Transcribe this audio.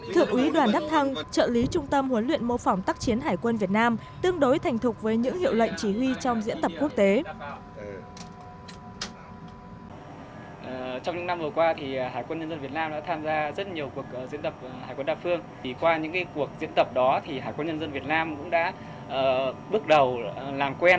thượng úy đoàn đắc thăng trợ lý trung tâm huấn luyện mô phỏng tác chiến hải quân việt nam tương đối thành thục với những hiệu lệnh chỉ huy trong diễn tập quốc tế